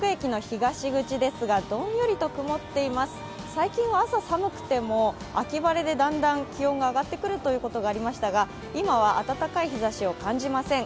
最近は朝寒くても、秋晴れでだんだん気温が上がってくることがありましたが今は暖かい日ざしを感じません。